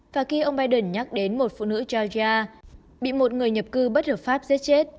và khi ông biden nhắc đến một phụ nữ gya bị một người nhập cư bất hợp pháp giết chết